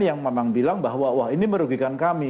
yang memang bilang bahwa wah ini merugikan kami